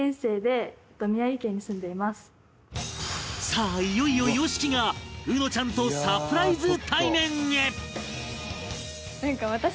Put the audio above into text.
さあいよいよ ＹＯＳＨＩＫＩ がうのちゃんとサプライズ対面へ！